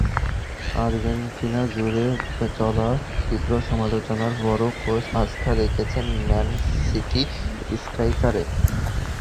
আর্জেন্টিনাজুড়ে চলা তীব্র সমালোচনার পরও কোচ আস্থা রেখেছেন ম্যান সিটি স্ট্রাইকারে।